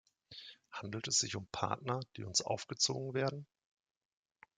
Handelt es sich um Partner, die uns aufgezwungen werden?